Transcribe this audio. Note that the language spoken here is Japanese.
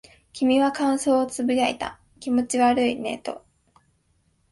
君は感想を呟いた。気持ち悪いねと。